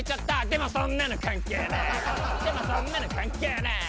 でもそんなの関係ねぇ。